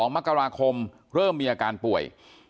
๒มกราคมเริ่มมีอาการป่วย